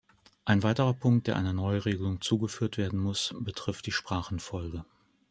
Ein weiterer Punkt, der einer Neuregelung zugeführt werden muss, betrifft die Sprachenfolge.